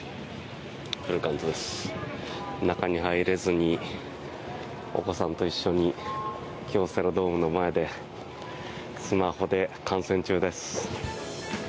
中に入れずにお子さんと一緒に京セラドームの前でスマホで観戦中です。